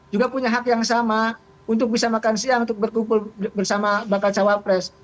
juga punya hak yang sama untuk bisa makan siang untuk berkumpul bersama bakal cawapres